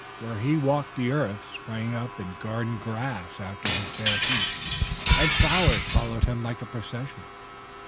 Where he walked the earth sprang up in green grass after his bare feet, and flowers followed him like a procession.